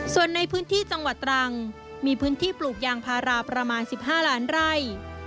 ส่วนในพื้นที่จังหวัดตรังมีพื้นที่ปลูกยางพาราประมาณ๑๕ล้านไร่